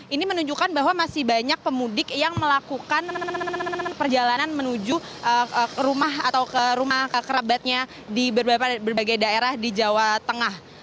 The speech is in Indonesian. ini menunjukkan bahwa masih banyak pemudik yang melakukan perjalanan menuju rumah atau ke rumah ke kerabatnya di berbagai daerah di jawa tengah